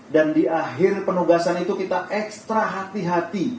dan di akhir penugasan itu kita ekstra hati hati